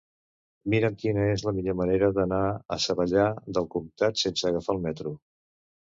Mira'm quina és la millor manera d'anar a Savallà del Comtat sense agafar el metro.